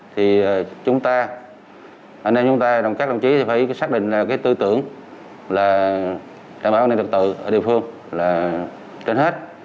thì chúng ta anh em chúng ta các đồng chí phải xác định tư tưởng là đảm bảo an ninh trật tự ở địa phương